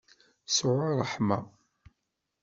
Sɛu ṛṛeḥma.